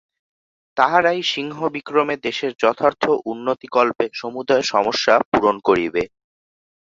তাহারাই সিংহবিক্রমে দেশের যথার্থ উন্নতিকল্পে সমুদয় সমস্যা পূরণ করিবে।